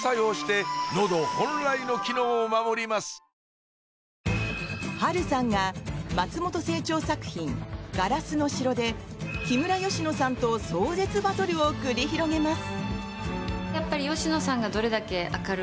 めん話つづけて波瑠さんが松本清張作品「ガラスの城」で木村佳乃さんと壮絶バトルを繰り広げます。